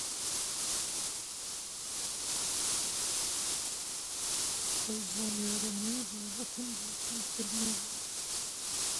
دووەم، ئەو زانیاریانە بابەتن بۆ کەمکردنی دڵنیابوونەوە ئەنجامەکان بەهۆی ماوە کورتی توێژینەوەکە.